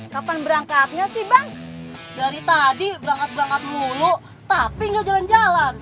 kapan berangkatnya sih bang dari tadi berangkat berangkat melulu tapi nggak jalan jalan